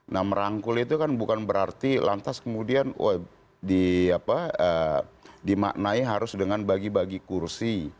nah merangkul itu kan bukan berarti lantas kemudian dimaknai harus dengan bagi bagi kursi